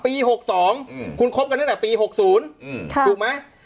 ปี๖๒คุณคบกันตั้งแต่ปี๖๐ถูกไหม